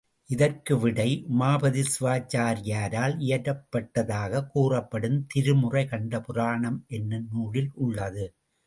இதற்கு விடை, உமாபதி சிவா சாரியாரால் இயற்றப்பட்டதாகக் கூறப்படும் திருமுறை கண்ட புராணம் என்னும் நூலில் உள்ளது.